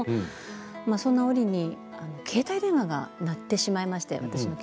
そんな折に携帯電話が鳴ってしまいまして、私の。